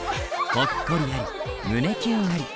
ほっこりあり胸キュンあり。